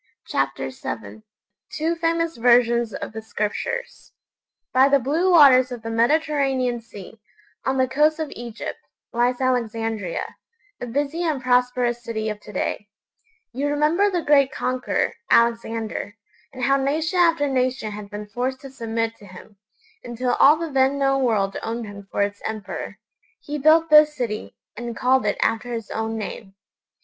CHAPTER VII TWO FAMOUS VERSIONS OF THE SCRIPTURES [Illustration: (drop cap B) Samaritan Book of the Law] By the blue waters of the Mediterranean Sea, on the coast of Egypt, lies Alexandria, a busy and prosperous city of to day. You remember the great conqueror, Alexander, and how nation after nation had been forced to submit to him, until all the then known world owned him for its emperor? He built this city, and called it after his own name.